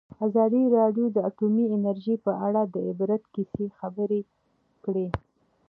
ازادي راډیو د اټومي انرژي په اړه د عبرت کیسې خبر کړي.